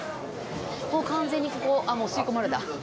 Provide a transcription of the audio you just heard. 完全にここあっもう吸い込まれた。